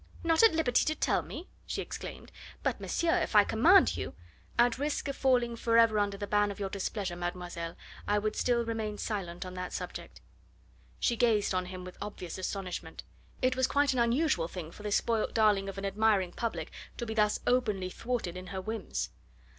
"Not at liberty to tell me!" she exclaimed; "but monsieur, if I command you " "At risk of falling forever under the ban of your displeasure, mademoiselle, I would still remain silent on that subject." She gazed on him with obvious astonishment. It was quite an unusual thing for this spoilt darling of an admiring public to be thus openly thwarted in her whims.